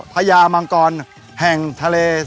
พญามังกรแห่งทะเล